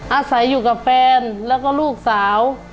อาศัยอยู่กับแฟนแล้วก็ลูกสาว